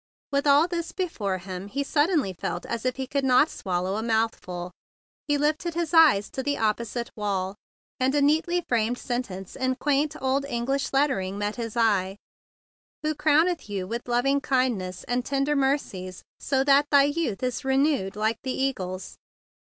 With all this be¬ fore him he suddenly felt as if he could not swallow a mouthful. He lifted his eyes to the opposite wall, and a neatly framed sentence in quaint old English lettering met his eye, "Who crowneth thee with loving kindness and tender mercies, so that thy youth is renewed like the eagle's."